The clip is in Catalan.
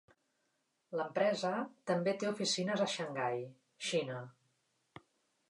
L'empresa també té oficines a Shanghai, Xina.